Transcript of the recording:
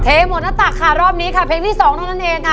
หมดหน้าตักค่ะรอบนี้ค่ะเพลงที่๒เท่านั้นเองค่ะ